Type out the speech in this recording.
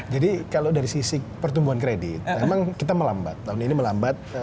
jadi kalau dari sisi pertumbuhan kredit memang kita melambat tahun ini melambat